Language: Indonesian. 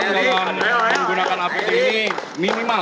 kecepatan dalam menggunakan apd ini minimal